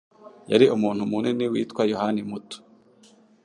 Yari umuntu munini witwa Yohani muto.